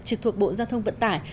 trực thuộc bộ giao thông vận tải